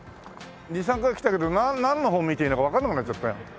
２３回来たけどなんの本見ていいのかわかんなくなっちゃったよ。